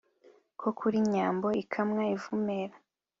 ko kuri nyambo ikamwa ivumera.